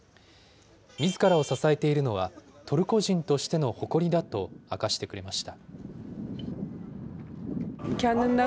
みずからを支えているのは、トルコ人としての誇りだと明かしてくれました。